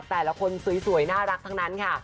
แต่ละคนสวยน่ารักทั้งนั้นค่ะ